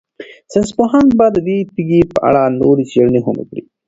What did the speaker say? ساینس پوهان به د دې تیږې په اړه نورې څېړنې هم وکړي.